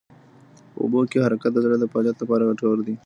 په اوبو کې حرکت د زړه د فعالیت لپاره ګټور دی.